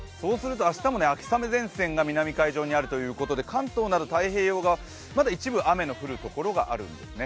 明日も秋雨前線が南海上にあるということで関東など南太平洋側はまだ一部、雨の降るところがあるんですね